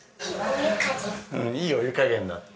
うんいいお湯加減だ。